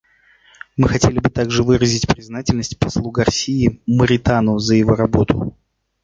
Мы хотели бы также выразить признательность послу Гарсие Моритану за его работу.